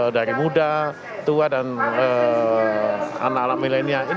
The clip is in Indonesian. dari muda tua dan anak anak milenial